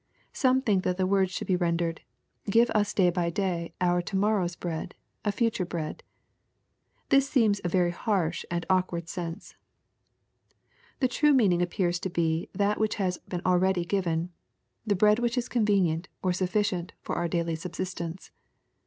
Some th4nk that the words should be rendered, " Give us day by day our to morrow's bread — ^a future bread." This seems a Tery harsh and awkward sense. The true meaning appears to be that which has been already given, *'the bread which is convenient, or sufficient, for our daily subsistence."